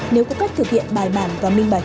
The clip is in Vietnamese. nếu có cách thực hiện bài bản và minh bạch